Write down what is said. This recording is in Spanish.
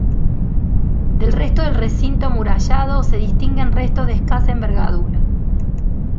Del resto del recinto amurallado se distinguen restos de escasa envergadura.